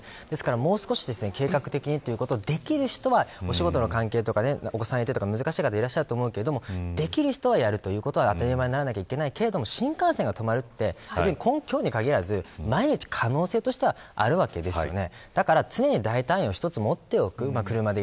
もう少し計画的にということをできる人はお仕事の関係とか、お子さんがいて難しい方はいらっしゃると思いますができる人はやる、ということは当たり前にならなきゃいけないけど新幹線が止まるというのは今日に限らず毎日可能性としてはあるわけですよね。